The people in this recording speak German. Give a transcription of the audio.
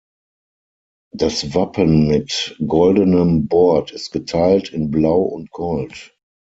Das Wappen mit goldenem Bord ist geteilt in Blau und Gold.